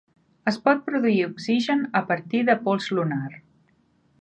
Es pot produir oxigen a partir de pols lunar